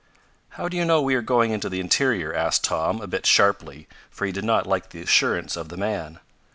"How do you know we are going into the interior?" asked Tom, a bit sharply, for he did not like the assurance of the man.